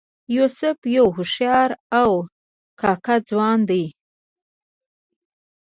یوسف یو هوښیار او کاکه ځوان دی.